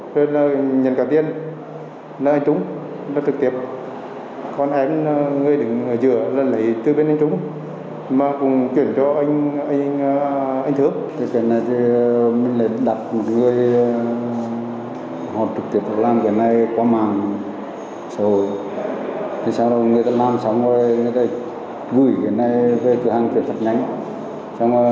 cái nhận cả tiền là anh trúng cơ trực tiếp con em ngồi ở giữa lấy tới bên anh trung